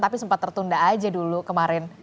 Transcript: tapi sempat tertunda aja dulu kemarin